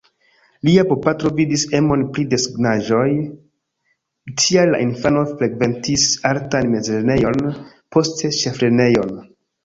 Lia bopatro vidis emon pri desegnaĵoj, tial la infano frekventis artan mezlernejon, poste ĉeflernejon.